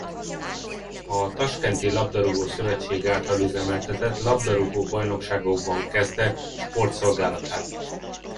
A Taskenti labdarúgó-szövetség által üzemeltetett labdarúgó bajnokságokban kezdte sportszolgálatát.